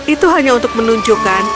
itu hanya untuk menunjukkan